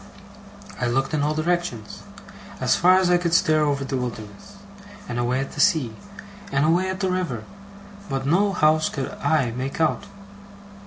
I looked in all directions, as far as I could stare over the wilderness, and away at the sea, and away at the river, but no house could I make out.